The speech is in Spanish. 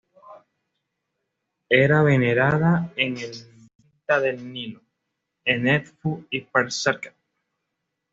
Era venerada en el delta del Nilo, en Edfu y "Per-Serket".